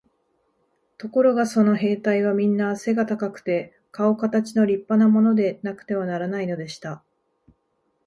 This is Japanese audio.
ところがその兵隊はみんな背が高くて、かおかたちの立派なものでなくてはならないのでした。